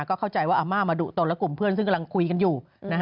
ก็เข้าใจว่าอาม่ามาดุตนและกลุ่มเพื่อนซึ่งกำลังคุยกันอยู่